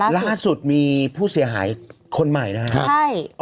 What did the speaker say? ล่าสุดมีผู้เสียหายคนใหม่นะครับ